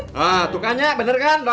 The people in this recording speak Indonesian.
nah tuh kak nya bener kan